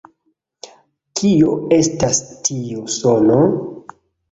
Kio estas tiu sono?